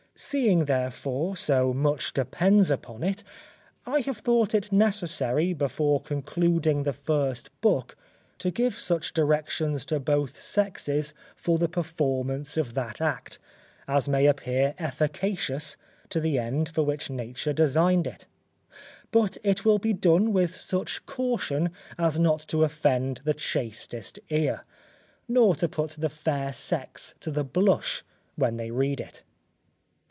Seeing, therefore, so much depends upon it, I have thought it necessary, before concluding the first book, to give such directions to both sexes, for the performance of that act, as may appear efficacious to the end for which nature designed it, but it will be done with such caution as not to offend the chastest ear, nor to put the fair sex to the blush when they read it.